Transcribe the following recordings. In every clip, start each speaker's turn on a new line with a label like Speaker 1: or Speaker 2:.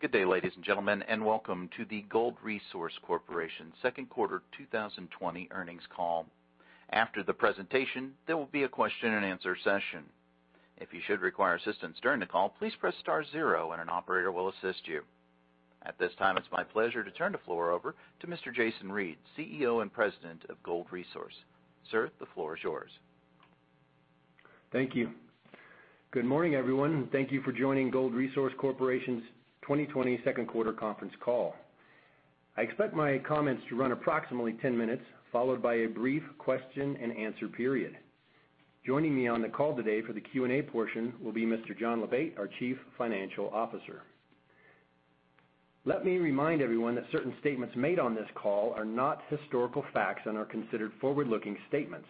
Speaker 1: Good day, ladies and gentlemen, and welcome to the Gold Resource Corporation second quarter 2020 earnings call. After the presentation, there will be a question-and-answer session. If you should require assistance during the call, please press star zero, and an operator will assist you. At this time, it's my pleasure to turn the floor over to Mr. Jason Reid, CEO and President of Gold Resource. Sir, the floor is yours.
Speaker 2: Thank you. Good morning, everyone, and thank you for joining Gold Resource Corporation's 2020 Second Quarter Conference Call. I expect my comments to run approximately 10 minutes, followed by a brief question-and-answer period. Joining me on the call today for the Q&A portion will be Mr. John Lebate, our Chief Financial Officer. Let me remind everyone that certain statements made on this call are not historical facts and are considered forward-looking statements.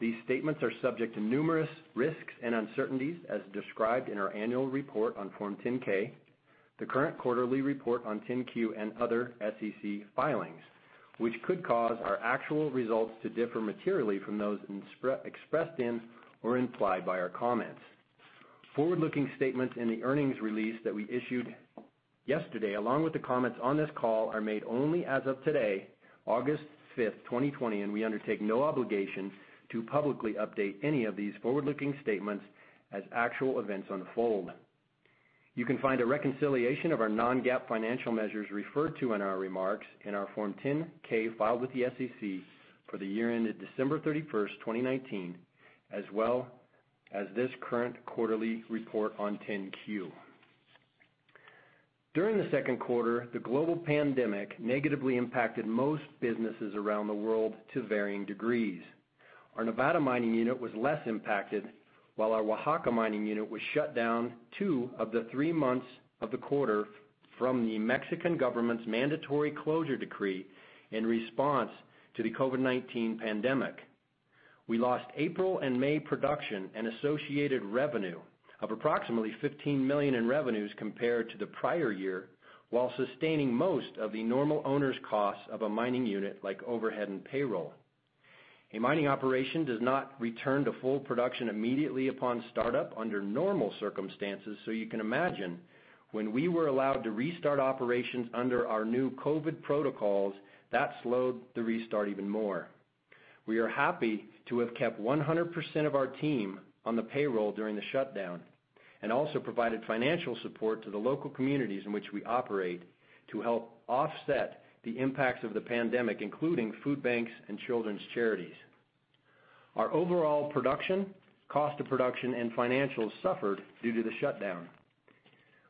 Speaker 2: These statements are subject to numerous risks and uncertainties, as described in our Annual Report on Form 10-K, the current Quarterly Report on 10-Q, and other SEC filings, which could cause our actual results to differ materially from those expressed in or implied by our comments. Forward-looking statements in the earnings release that we issued yesterday, along with the comments on this call, are made only as of today, August 5th, 2020, and we undertake no obligation to publicly update any of these forward-looking statements as actual events unfold. You can find a reconciliation of our non-GAAP financial measures referred to in our remarks in our Form 10-K filed with the SEC for the year ended December 31st, 2019, as well as this current Quarterly Report on 10-Q. During the second quarter, the global pandemic negatively impacted most businesses around the world to varying degrees. Our Nevada mining unit was less impacted, while our Oaxaca mining unit was shut down two of the three months of the quarter from the Mexican government's mandatory closure decree in response to the COVID-19 pandemic. We lost April and May production and associated revenue of approximately $15 million in revenues compared to the prior year, while sustaining most of the normal owner's costs of a mining unit like overhead and payroll. A mining operation does not return to full production immediately upon start-up under normal circumstances, so you can imagine when we were allowed to restart operations under our new COVID protocols, that slowed the restart even more. We are happy to have kept 100% of our team on the payroll during the shutdown and also provided financial support to the local communities in which we operate to help offset the impacts of the pandemic, including food banks and children's charities. Our overall production, cost of production, and financials suffered due to the shutdown.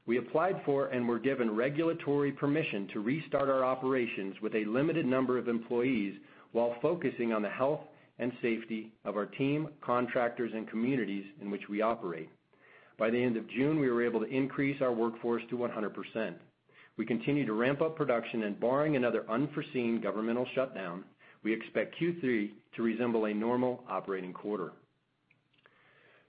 Speaker 2: We applied for and were given regulatory permission to restart our operations with a limited number of employees while focusing on the health and safety of our team, contractors, and communities in which we operate. By the end of June, we were able to increase our workforce to 100%. We continue to ramp up production and, barring another unforeseen governmental shutdown, we expect Q3 to resemble a normal operating quarter.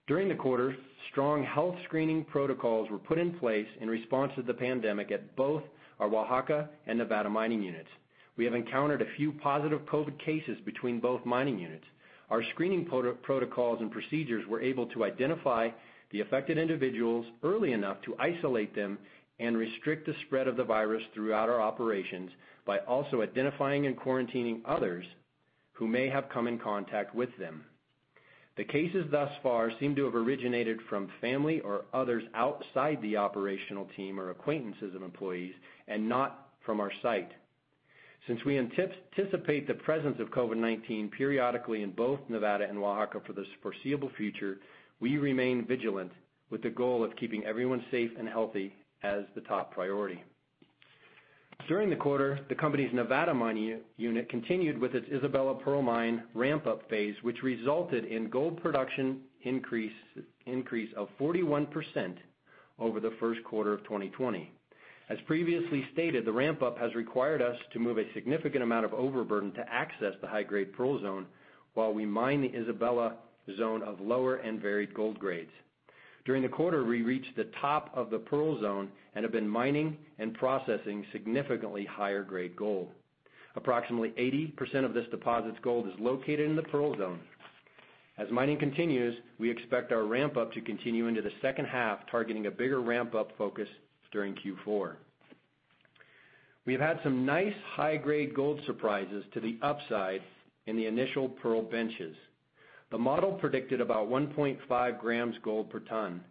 Speaker 2: During the quarter, strong health screening protocols were put in place in response to the pandemic at both our Oaxaca and Nevada mining units. We have encountered a few positive COVID cases between both mining units. Our screening protocols and procedures were able to identify the affected individuals early enough to isolate them and restrict the spread of the virus throughout our operations by also identifying and quarantining others who may have come in contact with them. The cases thus far seem to have originated from family or others outside the operational team or acquaintances of employees and not from our site. Since we anticipate the presence of COVID-19 periodically in both Nevada and Oaxaca for the foreseeable future, we remain vigilant with the goal of keeping everyone safe and healthy as the top priority. During the quarter, the company's Nevada mining unit continued with its Isabella Pearl mine ramp-up phase, which resulted in gold production increase of 41% over the first quarter of 2020. As previously stated, the ramp-up has required us to move a significant amount of overburden to access the high-grade Pearl zone while we mine the Isabella zone of lower and varied gold grades. During the quarter, we reached the top of the Pearl zone and have been mining and processing significantly higher-grade gold. Approximately 80% of this deposit's gold is located in the Pearl zone. As mining continues, we expect our ramp-up to continue into the second half, targeting a bigger ramp-up focus during Q4. We have had some nice high-grade gold surprises to the upside in the initial Pearl benches. The model predicted about 1.5 g gold per ton,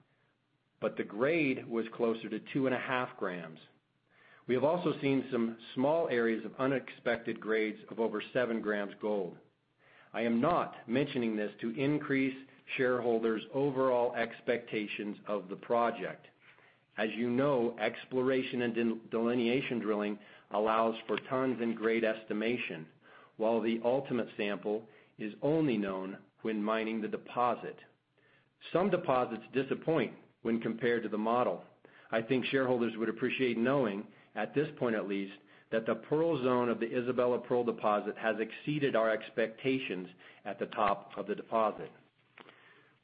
Speaker 2: but the grade was closer to 2.5 g. We have also seen some small areas of unexpected grades of over 7 g gold. I am not mentioning this to increase shareholders' overall expectations of the project. As you know, exploration and delineation drilling allows for tons and grade estimation, while the ultimate sample is only known when mining the deposit. Some deposits disappoint when compared to the model. I think shareholders would appreciate knowing, at this point at least, that the Pearl zone of the Isabella Pearl deposit has exceeded our expectations at the top of the deposit.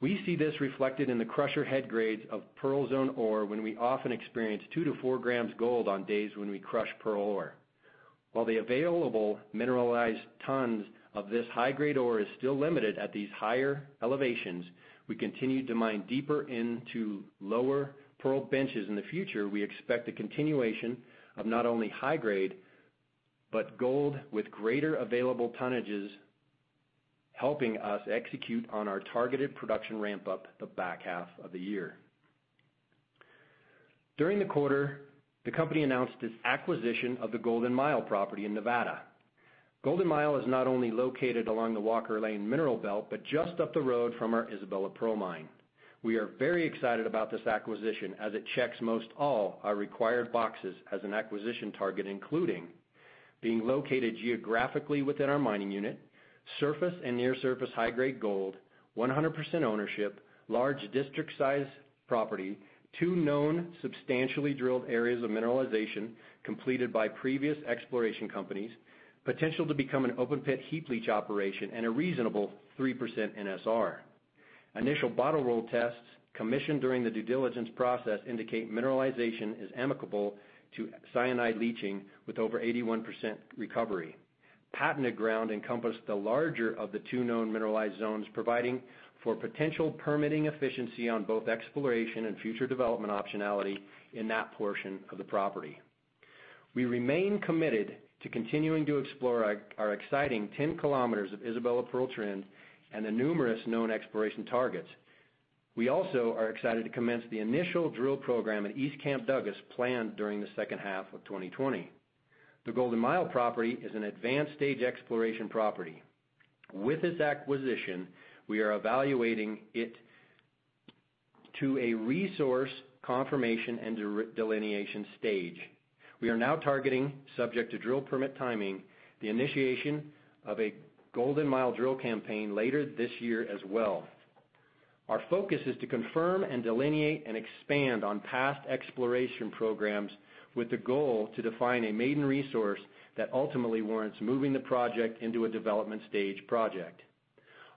Speaker 2: We see this reflected in the crusher head grades of Pearl zone ore when we often experience 2-4 g gold on days when we crush Pearl ore. While the available mineralized tons of this high-grade ore are still limited at these higher elevations, we continue to mine deeper into lower Pearl benches. In the future, we expect the continuation of not only high-grade but gold with greater available tonnages, helping us execute on our targeted production ramp-up the back-half of the year. During the quarter, the company announced its acquisition of the Golden Mile property in Nevada. Golden Mile is not only located along the Walker Lane mineral belt but just up the road from our Isabella Pearl mine. We are very excited about this acquisition as it checks most all our required boxes as an acquisition target, including being located geographically within our mining unit, surface and near-surface high-grade gold, 100% ownership, large district-sized property, two known substantially drilled areas of mineralization completed by previous exploration companies, potential to become an open-pit heap leach operation, and a reasonable 3% NSR. Initial bottle roll tests commissioned during the due diligence process indicate mineralization is amicable to cyanide leaching with over 81% recovery. Patented ground encompassed the larger of the two known mineralized zones, providing for potential permitting efficiency on both exploration and future development optionality in that portion of the property. We remain committed to continuing to explore our exciting 10 km of Isabella Pearl trench and the numerous known exploration targets. We also are excited to commence the initial drill program at East Camp Douglas planned during the second half of 2020. The Golden Mile property is an advanced stage exploration property. With its acquisition, we are evaluating it to a resource confirmation and delineation stage. We are now targeting, subject to drill permit timing, the initiation of a Golden Mile drill campaign later this year as well. Our focus is to confirm and delineate and expand on past exploration programs with the goal to define a maiden resource that ultimately warrants moving the project into a development stage project.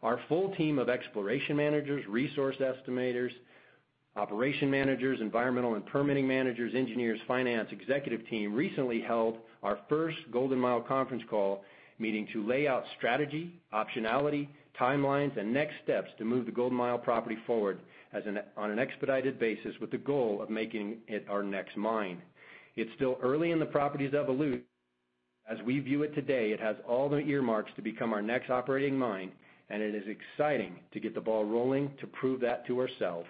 Speaker 2: Our full team of exploration managers, resource estimators, operation managers, environmental and permitting managers, engineers, finance, executive team recently held our first Golden Mile conference call meeting to lay out strategy, optionality, timelines, and next steps to move the Golden Mile property forward on an expedited basis with the goal of making it our next mine. It's still early in the property's evolution. As we view it today, it has all the earmarks to become our next operating mine, and it is exciting to get the ball rolling to prove that to ourselves.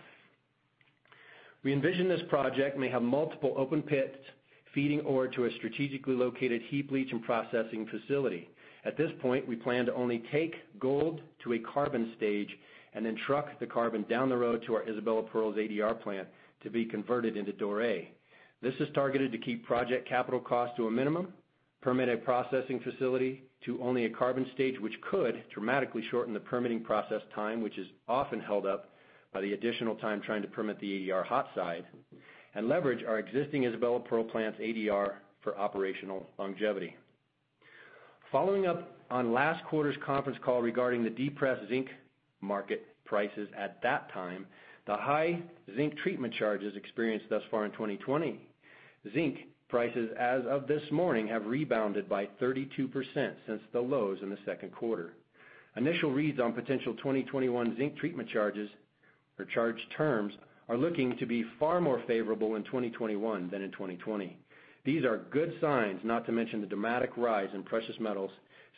Speaker 2: We envision this project may have multiple open pits feeding ore to a strategically located heap leach and processing facility. At this point, we plan to only take gold to a carbon stage and then truck the carbon down the road to our Isabella Pearl ADR plant to be converted into doré. This is targeted to keep project capital costs to a minimum, permit a processing facility to only a carbon stage, which could dramatically shorten the permitting process time, which is often held up by the additional time trying to permit the ADR hot side, and leverage our existing Isabella Pearl plant's ADR for operational longevity. Following up on last quarter's conference call regarding the depressed zinc market prices at that time, the high zinc treatment charges experienced thus far in 2020. Zinc prices as of this morning have rebounded by 32% since the lows in the second quarter. Initial reads on potential 2021 zinc treatment charges or charge terms are looking to be far more favorable in 2021 than in 2020. These are good signs, not to mention the dramatic rise in precious metals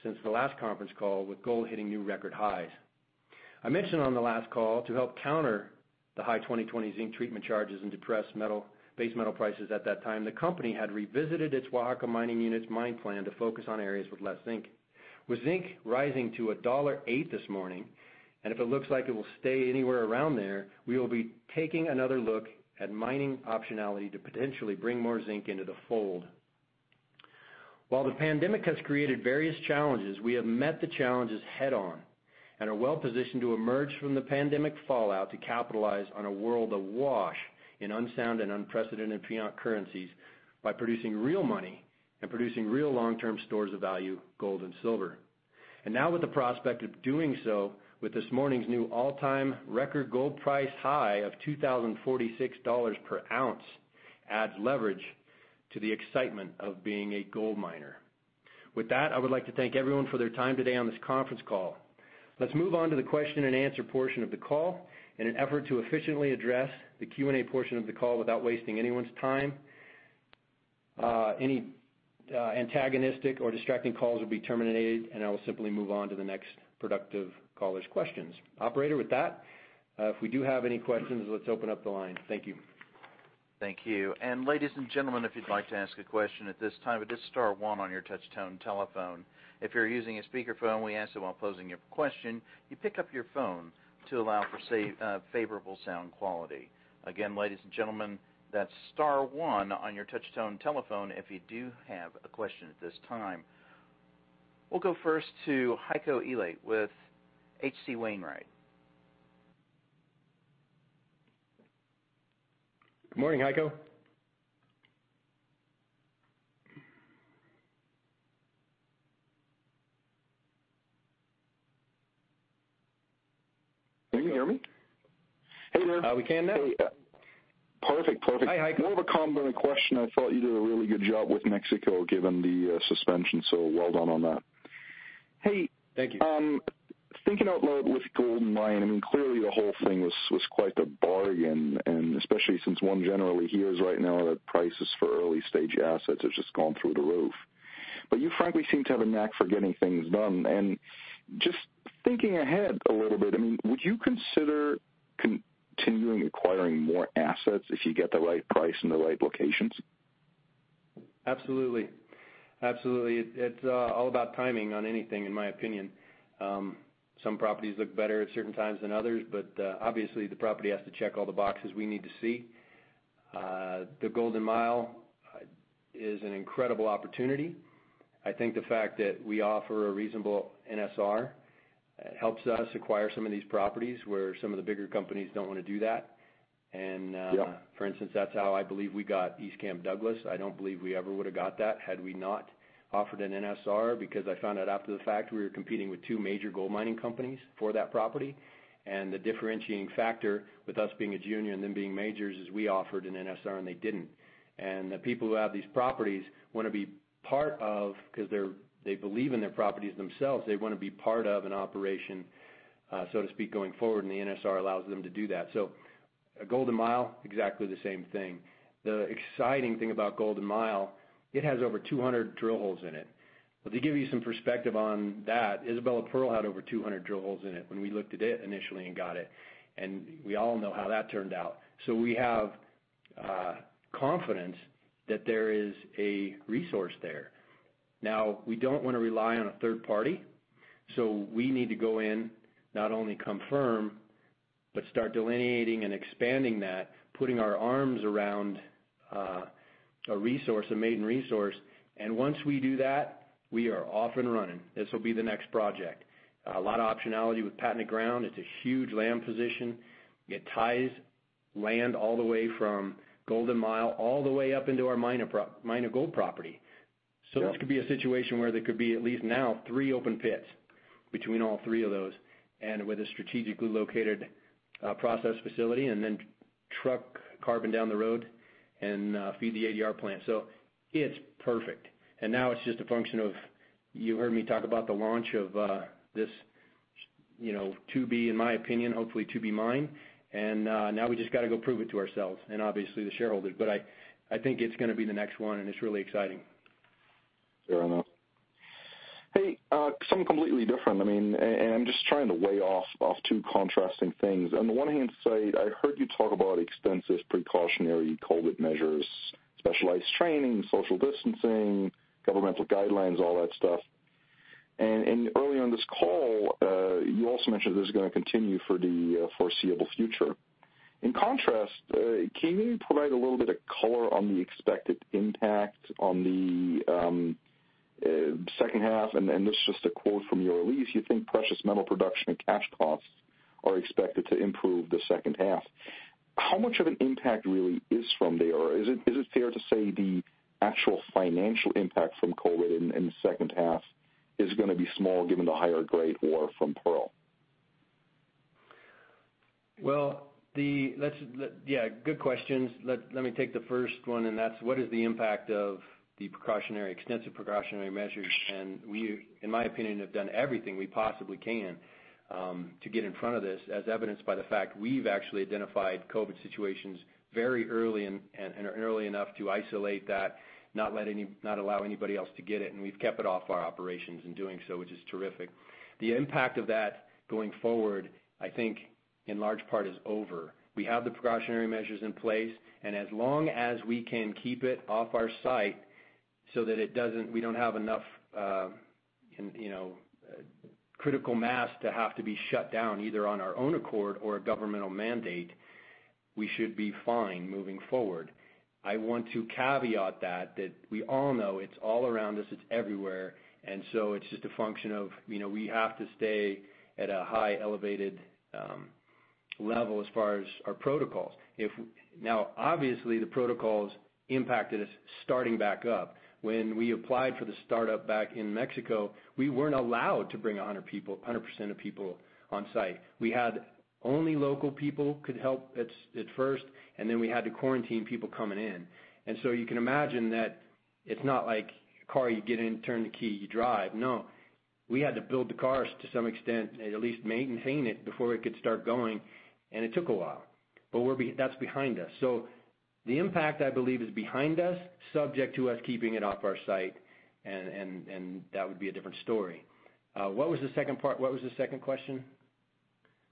Speaker 2: since the last conference call with gold hitting new record highs. I mentioned on the last call to help counter the high 2020 zinc treatment charges and depressed base metal prices at that time, the company had revisited its Oaxaca mining unit's mine plan to focus on areas with less zinc. With zinc rising to $1.08 this morning, and if it looks like it will stay anywhere around there, we will be taking another look at mining optionality to potentially bring more zinc into the fold. While the pandemic has created various challenges, we have met the challenges head-on and are well positioned to emerge from the pandemic fallout to capitalize on a world awash in unsound and unprecedented fiat currencies by producing real money and producing real long-term stores of value, gold and silver. Now with the prospect of doing so with this morning's new all-time record gold price high of $2,046 per ounce adds leverage to the excitement of being a gold miner. With that, I would like to thank everyone for their time today on this conference call. Let's move on to the question and answer portion of the call in an effort to efficiently address the Q&A portion of the call without wasting anyone's time. Any antagonistic or distracting calls will be terminated, and I will simply move on to the next productive caller's questions. Operator, with that, if we do have any questions, let's open up the line. Thank you.
Speaker 1: Thank you. Ladies and gentlemen, if you'd like to ask a question at this time, it is star one on your touchstone telephone. If you're using a speakerphone, we ask that while posing your question, you pick up your phone to allow for favorable sound quality. Again, ladies and gentlemen, that's star one on your touch-tone telephone if you do have a question at this time. We'll go first to Heiko Ihle with H.C. Wainwright.
Speaker 2: Good morning, Heiko. Can you hear me?
Speaker 3: Hey, there. We can now. Perfect, perfect.
Speaker 2: Hey, Heiko.
Speaker 3: More of a complimentary question. I thought you did a really good job with Mexico given the suspension, so well done on that.
Speaker 2: Hey. Thank you.
Speaker 3: Thinking out loud with gold mining, I mean, clearly the whole thing was quite the bargain, and especially since one generally hears right now that prices for early-stage assets have just gone through the roof. You frankly seem to have a knack for getting things done. Just thinking ahead a little bit, I mean, would you consider continuing acquiring more assets if you get the right price in the right locations?
Speaker 2: Absolutely. Absolutely. It's all about timing on anything, in my opinion. Some properties look better at certain times than others, but obviously the property has to check all the boxes we need to see. The Golden Mile is an incredible opportunity. I think the fact that we offer a reasonable NSR helps us acquire some of these properties where some of the bigger companies don't want to do that. For instance, that's how I believe we got East Camp Douglas. I don't believe we ever would have got that had we not offered an NSR because I found out after the fact we were competing with two major gold mining companies for that property. The differentiating factor with us being a junior and them being majors is we offered an NSR and they didn't. The people who have these properties want to be part of because they believe in their properties themselves, they want to be part of an operation, so to speak, going forward, and the NSR allows them to do that. A Golden Mile, exactly the same thing. The exciting thing about Golden Mile, it has over 200 drill holes in it. To give you some perspective on that, Isabella Pearl had over 200 drill holes in it when we looked at it initially and got it. We all know how that turned out. We have confidence that there is a resource there. Now, we don't want to rely on a third party, so we need to go in, not only confirm, but start delineating and expanding that, putting our arms around a resource, a maiden resource. Once we do that, we are off and running. This will be the next project. A lot of optionality with patented ground. It's a huge land position. It ties land all the way from Golden Mile all the way up into our minor gold property. This could be a situation where there could be at least now three open pits between all three of those, and with a strategically located process facility, then truck carbon down the road and feed the ADR plant. It's perfect. Now it's just a function of you heard me talk about the launch of this 2B, in my opinion, hopefully 2B mine. Now we just got to go prove it to ourselves and obviously the shareholders. I think it's going to be the next one, and it's really exciting.
Speaker 3: Fair enough. Hey, something completely different. I mean, I'm just trying to weigh off two contrasting things. On the one hand side, I heard you talk about extensive precautionary COVID measures, specialized training, social distancing, governmental guidelines, all that stuff. Early on this call, you also mentioned this is going to continue for the foreseeable future. In contrast, can you provide a little bit of color on the expected impact on the second half? This is just a quote from your release. You think precious metal production and cash costs are expected to improve the second half. How much of an impact really is from there? Is it fair to say the actual financial impact from COVID in the second half is going to be small given the higher-grade ore from Pearl?
Speaker 2: Good questions. Let me take the first one, and that is what is the impact of the extensive precautionary measures? In my opinion, we have done everything we possibly can to get in front of this, as evidenced by the fact we have actually identified COVID situations very early and early enough to isolate that, not allow anybody else to get it. We have kept it off our operations in doing so, which is terrific. The impact of that going forward, I think in large part is over. We have the precautionary measures in place, and as long as we can keep it off our site so that we do not have enough critical mass to have to be shut down either on our own accord or a governmental mandate, we should be fine moving forward. I want to caveat that we all know it is all around us, it is everywhere, and so it is just a function of we have to stay at a high elevated level as far as our protocols. Now, obviously, the protocols impacted us starting back up. When we applied for the startup back in Mexico, we were not allowed to bring 100% of people on site. We had only local people could help at first, and then we had to quarantine people coming in. You can imagine that it is not like a car you get in, turn the key, you drive. No. We had to build the cars to some extent, at least maintain it before it could start going, and it took a while. That is behind us. The impact, I believe, is behind us, subject to us keeping it off our site, and that would be a different story. What was the second part? What was the second question?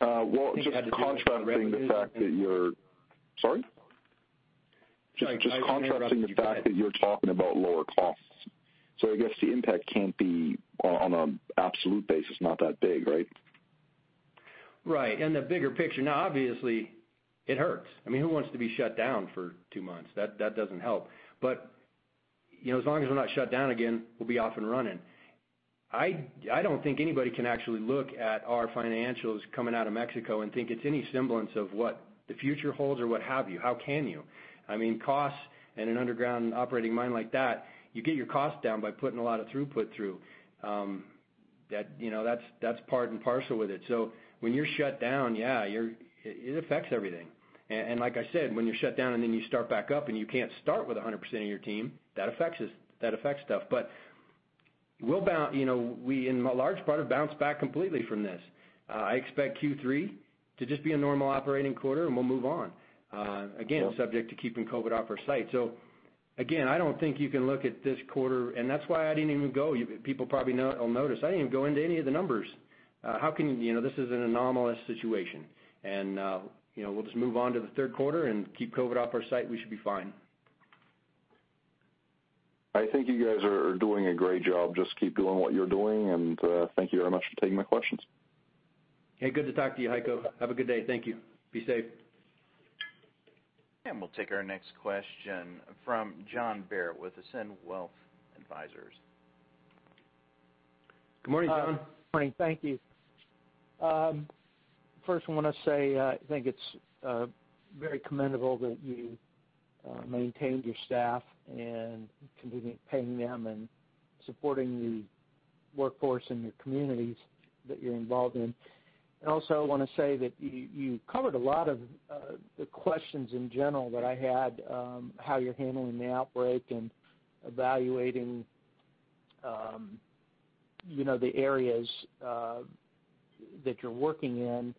Speaker 3: Just contrasting the fact that you're
Speaker 2: sorry?
Speaker 3: Just contrasting the fact that you're talking about lower costs. I guess the impact cannot be on an absolute basis, not that big, right?
Speaker 2: Right. In the bigger picture, obviously, it hurts. I mean, who wants to be shut down for two months? That does not help. As long as we are not shut down again, we will be off and running. I don't think anybody can actually look at our financials coming out of Mexico and think it's any semblance of what the future holds or what have you. How can you? I mean, costs and an underground operating mine like that, you get your cost down by putting a lot of throughput through. That's part and parcel with it. When you're shut down, yeah, it affects everything. Like I said, when you're shut down and then you start back up and you can't start with 100% of your team, that affects stuff. We'll, in large part, have bounced back completely from this. I expect Q3 to just be a normal operating quarter, and we'll move on. Again, subject to keeping COVID off our site. I do not think you can look at this quarter, and that is why I did not even go—people probably will notice—I did not even go into any of the numbers. How can you? This is an anomalous situation. We will just move on to the third quarter and keep COVID off our site. We should be fine.
Speaker 3: I think you guys are doing a great job. Just keep doing what you are doing, and thank you very much for taking my questions.
Speaker 2: Hey, good to talk to you, Heiko. Have a good day. Thank you. Be safe.
Speaker 1: We will take our next question from John Baer with Ascend Wealth Advisors.
Speaker 2: Good morning, John.
Speaker 4: Good morning. Thank you. First, I want to say I think it is very commendable that you maintained your staff and continued paying them and supporting the workforce and your communities that you are involved in. I want to say that you covered a lot of the questions in general that I had, how you're handling the outbreak and evaluating the areas that you're working in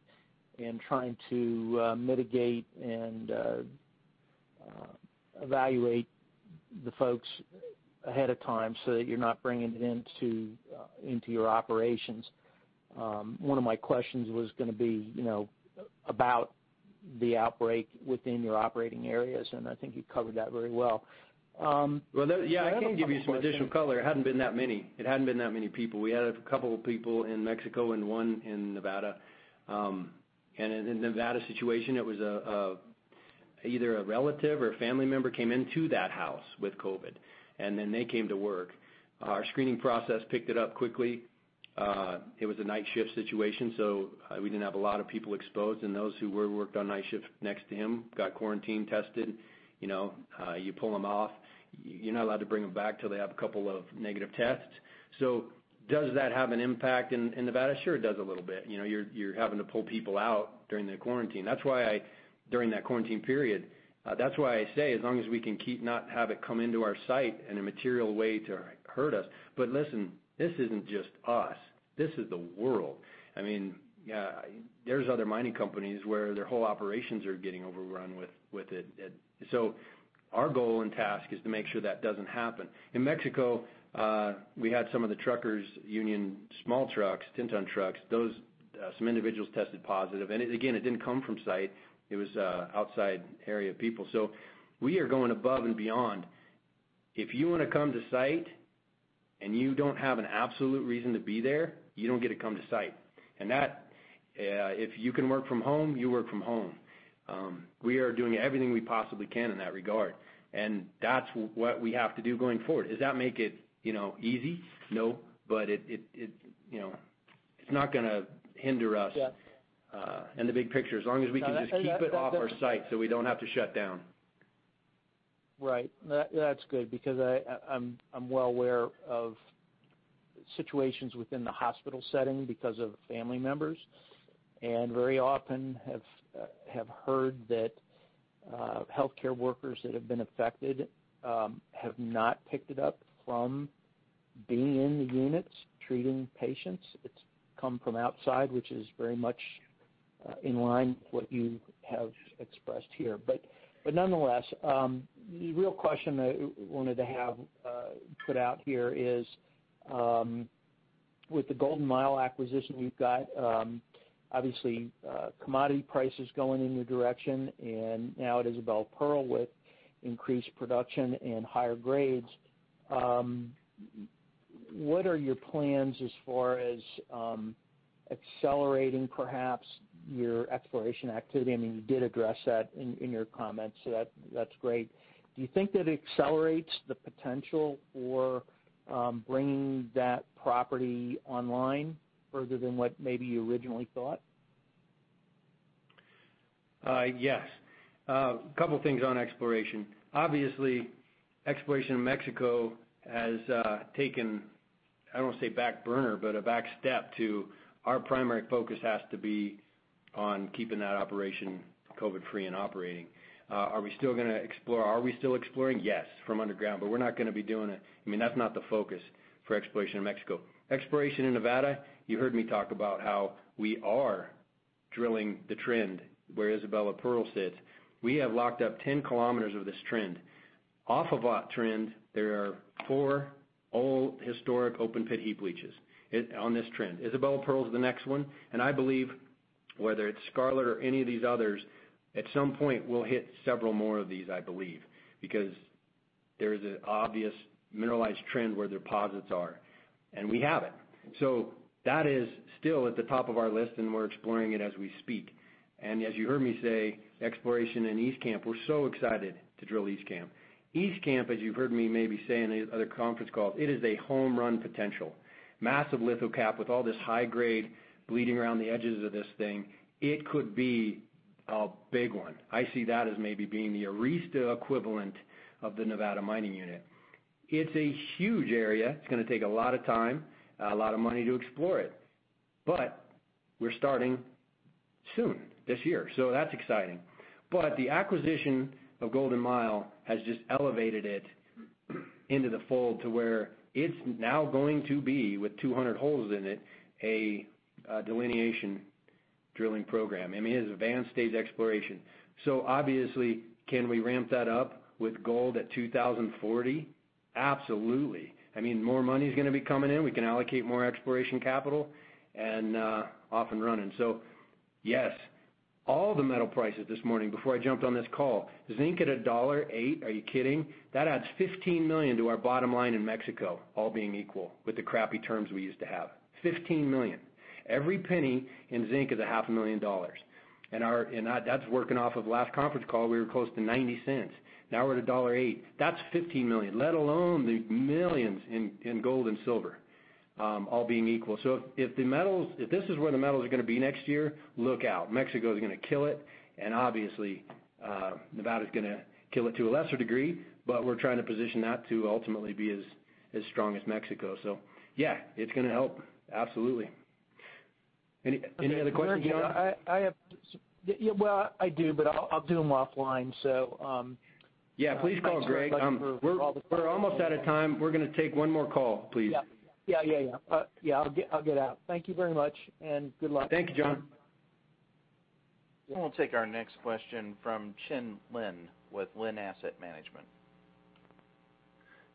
Speaker 4: and trying to mitigate and evaluate the folks ahead of time so that you're not bringing it into your operations. One of my questions was going to be about the outbreak within your operating areas, and I think you covered that very well.
Speaker 2: Yeah, I can give you some additional color. It hadn't been that many. It hadn't been that many people. We had a couple of people in Mexico and one in Nevada. In the Nevada situation, it was either a relative or a family member came into that house with COVID, and then they came to work. Our screening process picked it up quickly. It was a night shift situation, so we did not have a lot of people exposed. And those who worked on night shift next to him got quarantined, tested. You pull them off. You are not allowed to bring them back till they have a couple of negative tests. Does that have an impact in Nevada? Sure, it does a little bit. You are having to pull people out during the quarantine. That is why I, during that quarantine period, that is why I say as long as we can keep not have it come into our site in a material way to hurt us. But listen, this is not just us. This is the world. I mean, there are other mining companies where their whole operations are getting overrun with it. Our goal and task is to make sure that does not happen. In Mexico, we had some of the truckers' union, small trucks, 10-ton trucks, those some individuals tested positive. It did not come from site. It was outside area people. We are going above and beyond. If you want to come to site and you do not have an absolute reason to be there, you do not get to come to site. If you can work from home, you work from home. We are doing everything we possibly can in that regard. That is what we have to do going forward. Does that make it easy? No. It is not going to hinder us in the big picture. As long as we can just keep it off our site so we do not have to shut down.
Speaker 4: That is good because I am well aware of situations within the hospital setting because of family members. Very often have heard that healthcare workers that have been affected have not picked it up from being in the units treating patients. It has come from outside, which is very much in line with what you have expressed here. Nonetheless, the real question I wanted to have put out here is with the Golden Mile acquisition you have got, obviously, commodity prices going in your direction, and now it is Isabella Pearl with increased production and higher grades. What are your plans as far as accelerating perhaps your exploration activity? I mean, you did address that in your comments, so that is great. Do you think that it accelerates the potential for bringing that property online further than what maybe you originally thought?
Speaker 2: Yes. A couple of things on exploration. Obviously, exploration in Mexico has taken, I don't want to say back burner, but a back step to our primary focus has to be on keeping that operation COVID-free and operating. Are we still going to explore? Are we still exploring? Yes, from underground, but we're not going to be doing it. I mean, that's not the focus for exploration in Mexico. Exploration in Nevada, you heard me talk about how we are drilling the trend where Isabella Pearl sits. We have locked up 10 km of this trend. Off of that trend, there are four old historic open-pit heap leaches on this trend. Isabella Pearl is the next one. I believe whether it's Scarlet or any of these others, at some point, we'll hit several more of these, I believe, because there is an obvious mineralized trend where deposits are. We have it. That is still at the top of our list, and we're exploring it as we speak. As you heard me say, exploration in East Camp Douglas, we're so excited to drill East Camp Douglas. East Camp Douglas, as you've heard me maybe say in other conference calls, it is a home run potential. Massive lithocap with all this high-grade bleeding around the edges of this thing. It could be a big one. I see that as maybe being the Arista equivalent of the Nevada mining unit. It's a huge area. It's going to take a lot of time, a lot of money to explore it. We're starting soon this year. That is exciting. The acquisition of Golden Mile has just elevated it into the fold to where it's now going to be, with 200 holes in it, a delineation drilling program. I mean, it is advanced stage exploration. Obviously, can we ramp that up with gold at $2,040? Absolutely. I mean, more money is going to be coming in. We can allocate more exploration capital and off and running. Yes, all the metal prices this morning, before I jumped on this call, zinc at $1.08? Are you kidding? That adds $15 million to our bottom line in Mexico, all being equal with the crappy terms we used to have. $15 million. Every penny in zinc is $500,000. That is working off of last conference call. We were close to $0.90. Now we are at $1.08. That is $15 million, let alone the millions in gold and silver, all being equal. If this is where the metals are going to be next year, look out. Mexico is going to kill it. Obviously, Nevada is going to kill it to a lesser degree, but we're trying to position that to ultimately be as strong as Mexico. Yeah, it's going to help. Absolutely. Any other questions, John?
Speaker 4: I do, but I'll do them offline.
Speaker 2: Please call Greg. We're almost out of time. We're going to take one more call, please.
Speaker 4: Yeah, yeah, yeah. I'll get out. Thank you very much, and good luck.
Speaker 2: Thank you, John.
Speaker 1: We'll take our next question from Chen Lin with Lin Asset Management.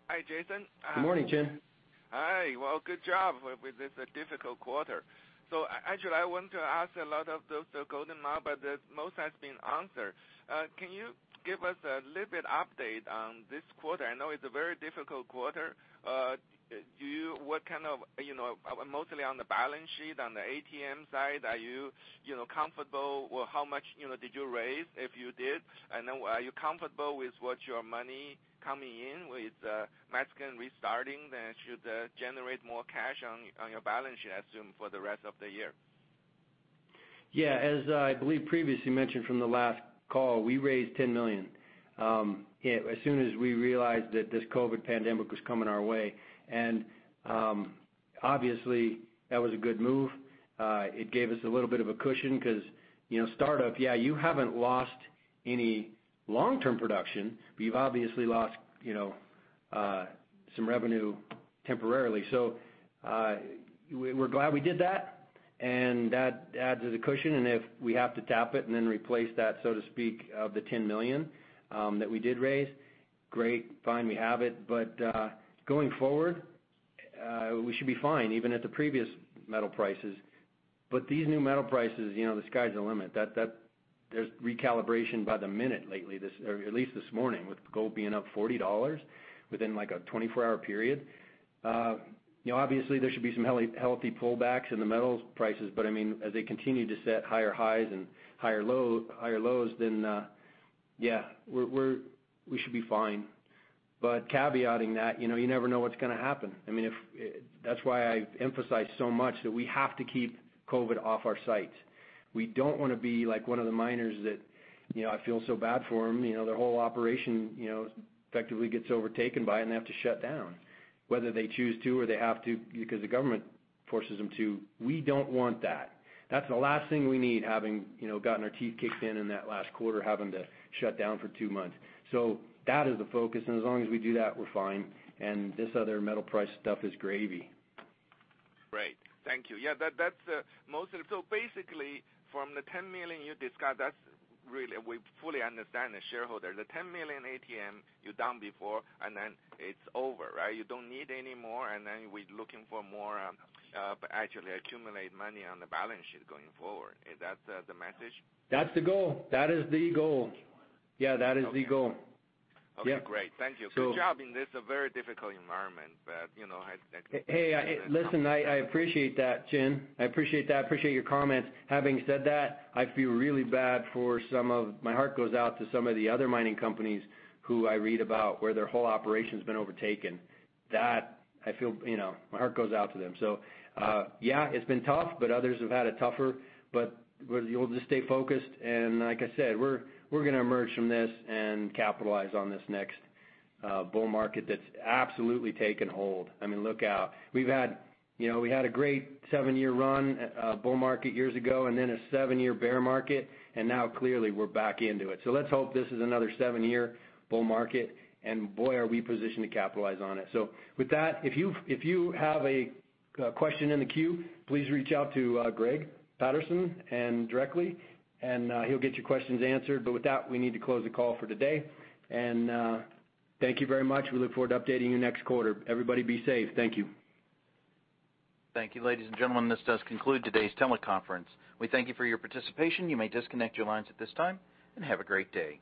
Speaker 5: Hi, Jason.
Speaker 2: Good morning, Chen.
Speaker 5: Hi. Good job with this difficult quarter. Actually, I want to ask a lot of those Golden Mile, but most has been answered. Can you give us a little bit of update on this quarter? I know it's a very difficult quarter. What kind of mostly on the balance sheet, on the ATM side, are you comfortable? How much did you raise if you did? Are you comfortable with what your money coming in with Mexican restarting that should generate more cash on your balance sheet, I assume, for the rest of the year?
Speaker 2: Yeah. As I believe previously mentioned from the last call, we raised $10 million as soon as we realized that this COVID pandemic was coming our way. Obviously, that was a good move. It gave us a little bit of a cushion because startup, yeah, you have not lost any long-term production, but you have obviously lost some revenue temporarily. We are glad we did that, and that adds to the cushion. If we have to tap it and then replace that, so to speak, of the $10 million that we did raise, great, fine, we have it. Going forward, we should be fine, even at the previous metal prices. These new metal prices, the sky's the limit. There is recalibration by the minute lately, at least this morning, with gold being up $40 within a 24-hour period. Obviously, there should be some healthy pullbacks in the metals prices. I mean, as they continue to set higher highs and higher lows, then yeah, we should be fine. Caveating that, you never know what's going to happen. I mean, that's why I've emphasized so much that we have to keep COVID off our sites. We do not want to be like one of the miners that I feel so bad for them. Their whole operation effectively gets overtaken by, and they have to shut down, whether they choose to or they have to because the government forces them to. We do not want that. That is the last thing we need, having gotten our teeth kicked in in that last quarter, having to shut down for two months. That is the focus. As long as we do that, we are fine. This other metal price stuff is gravy.
Speaker 5: Great. Thank you. Yeah, that is mostly. Basically, from the $10 million you discussed, we fully understand the shareholders. The $10 million ATM you are down before, and then it is over, right? You do not need any more, and then we are looking for more to actually accumulate money on the balance sheet going forward. Is that the message?
Speaker 2: That is the goal. That is the goal. Yeah, that is the goal.
Speaker 5: Okay, great. Thank you. Good job in this very difficult environment, but
Speaker 2: hey, listen, I appreciate that, Chen. I appreciate that. I appreciate your comments. Having said that, I feel really bad for some of my heart goes out to some of the other mining companies who I read about where their whole operation has been overtaken. I feel my heart goes out to them. Yeah, it's been tough, but others have had it tougher. We'll just stay focused. Like I said, we're going to emerge from this and capitalize on this next bull market that's absolutely taken hold. I mean, look out. We had a great seven-year run bull market years ago and then a seven-year bear market, and now clearly we're back into it. Let's hope this is another seven-year bull market, and boy, are we positioned to capitalize on it. With that, if you have a question in the queue, please reach out to Greg Patterson directly, and he'll get your questions answered. With that, we need to close the call for today. Thank you very much. We look forward to updating you next quarter. Everybody be safe. Thank you.
Speaker 1: Thank you, ladies and gentlemen. This does conclude today's teleconference. We thank you for your participation. You may disconnect your lines at this time and have a great day.